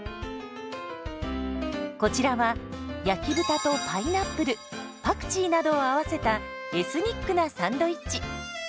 こちらは焼き豚とパイナップルパクチーなどを合わせたエスニックなサンドイッチ。